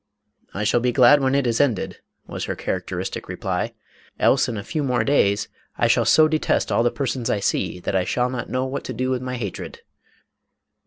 " I shall be glad when it is ended," was her characteristic reply, " else, in a few more days, I shall so detest all the persons I see that I shall not know what to do with my hatred."